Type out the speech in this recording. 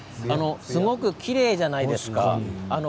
すごくきれいじゃないですか？